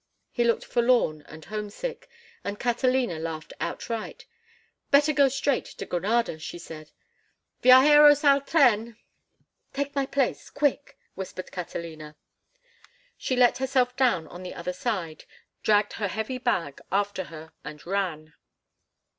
He looked forlorn and homesick, and Catalina laughed outright. "Better go straight to Granada," she said. "Viajeros al tren!" "Take my place—quick!" whispered Catalina. She let herself down on the other side, dragged her heavy bag after her, and ran.